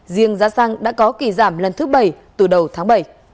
riêng giá xăng đã có kỳ giảm lần thứ bảy từ đầu tháng bảy